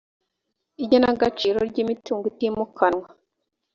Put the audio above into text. igenagaciro ry imitungo itimukanwa